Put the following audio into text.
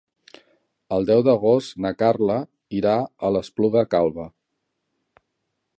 El deu d'agost na Carla irà a l'Espluga Calba.